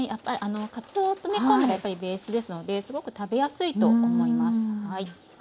かつおと昆布がやっぱりベースですのですごく食べやすいと思います。